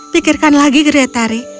pikirkan lagi gretari